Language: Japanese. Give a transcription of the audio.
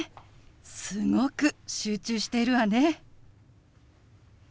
すごく集中しているわね。